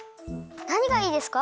なにがいいですか？